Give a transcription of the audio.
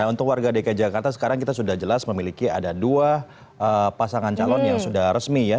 untuk warga dki jakarta sekarang kita sudah jelas memiliki ada dua pasangan calon yang sudah resmi ya